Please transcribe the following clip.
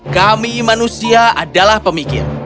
kami manusia adalah pemikir